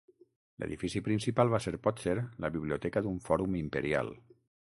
L'edifici principal va ser potser la biblioteca d'un fòrum imperial.